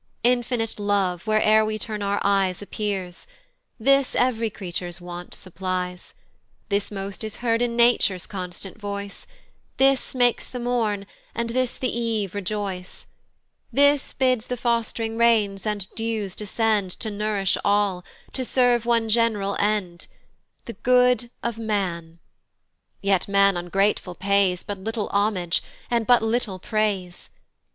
Infinite Love where'er we turn our eyes Appears: this ev'ry creature's wants supplies; This most is heard in Nature's constant voice, This makes the morn, and this the eve rejoice; This bids the fost'ring rains and dews descend To nourish all, to serve one gen'ral end, The good of man: yet man ungrateful pays But little homage, and but little praise.